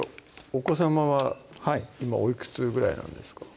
お子さまは今おいくつぐらいなんですか？